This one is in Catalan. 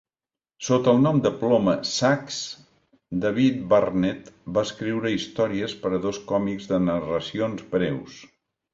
Sota el nom de ploma "Sax", David Barnett va escriure històries per a dos còmics de narracions breus.